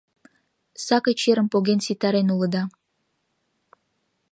Сакый черым поген ситарен улыда...